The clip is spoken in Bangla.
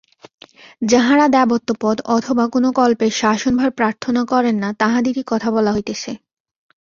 যাঁহারা দেবত্বপদ অথবা কোন কল্পের শাসনভার প্রার্থনা করেন না, তাঁহাদেরই কথা বলা হইতেছে।